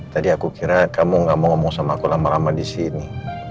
tadi aku kira kamu gak mau ngomong sama aku lama lama di sini